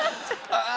ああ！